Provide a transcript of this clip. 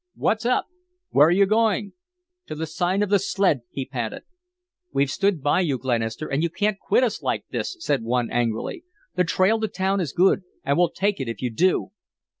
"What's up?" "Where are you going?" "To the Sign of the Sled," he panted. "We've stood by you, Glenister, and you can't quit us like this," said one, angrily. "The trail to town is good, and we'll take it if you do."